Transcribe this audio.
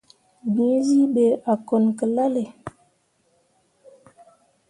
Gǝǝzyii ɓe a kone ki lalle.